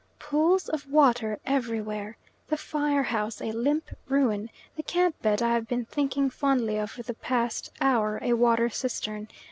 Pools of water everywhere. The fire house a limp ruin, the camp bed I have been thinking fondly of for the past hour a water cistern.